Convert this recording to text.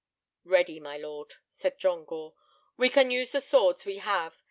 "Ready, my lord," said John Gore. "We can use the swords we have.